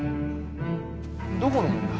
どこのもんだ？